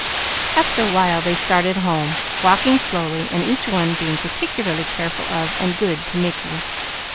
After a while they started home, walking slowly and each one being particularly careful of and good to Mickey.